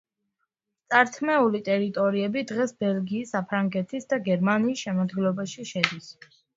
წართმეული ტერიტორიები დღეს ბელგიის, საფრანგეთის და გერმანიის შემადგენლობაში შედის.